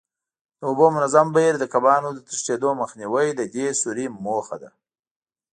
د اوبو منظم بهیر، د کبانو د تښتېدو مخنیوی د دې سوري موخه ده.